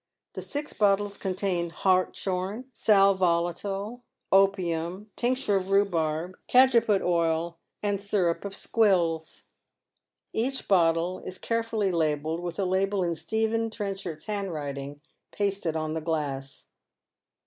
The six bottles contain hartshorn, sal volatile, opium, tmcture of rhubarb, cajeput oil, and syrup of squills. Each bottle is carefully labelled with a label in Stephen Tren chard's handwriting pasted on the glass.